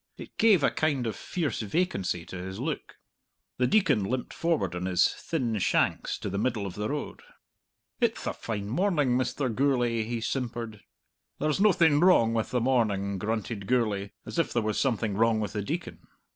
It gave a kind of fierce vacancy to his look. The Deacon limped forward on his thin shanks to the middle of the road. "It'th a fine morning, Mr. Gourlay," he simpered. "There's noathing wrong with the morning," grunted Gourlay, as if there was something wrong with the Deacon.